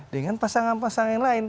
dengan pasangan pasangan lain